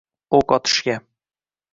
o’q otishga